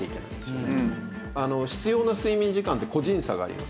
必要な睡眠時間って個人差があります。